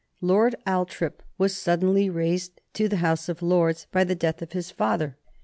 Lord Althorp was suddenly raised to the House of Lords by the death of his father.